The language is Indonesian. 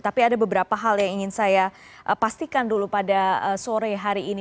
tapi ada beberapa hal yang ingin saya pastikan dulu pada sore hari ini